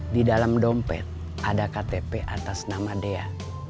di dalam dompet ada ktp atas nama dea